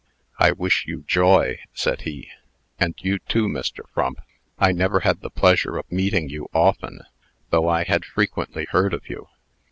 "I wish you joy," said he. "And you too, Mr. Frump. I never had the pleasure of meeting you often, though I had frequently heard of you.